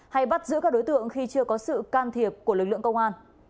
hay bắt giữ các đối tượng khi chưa có sự can thiệp của lực lượng công an